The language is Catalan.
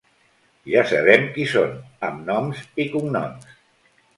Ja sabem qui són, amb noms i cognoms.